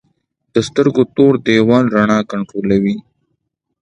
د سترګو تور دیوال رڼا کنټرولوي